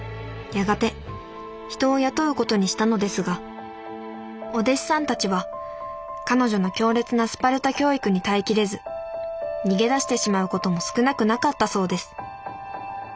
やがて人を雇うことにしたのですがお弟子さんたちは彼女の強烈なスパルタ教育に耐え切れず逃げ出してしまうことも少なくなかったそうです。